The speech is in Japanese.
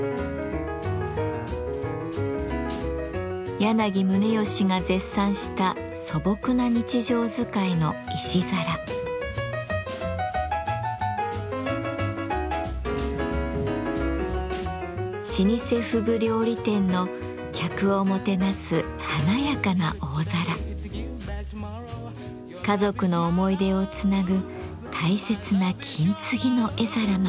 柳宗悦が絶賛した素朴な日常づかいの老舗ふぐ料理店の客をもてなす華やかな家族の思い出をつなぐ大切な金継ぎの絵皿まで。